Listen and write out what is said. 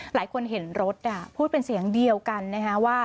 หลายคนเห็นรถพูดเป็นเสียงเดียวกันนะฮะว่า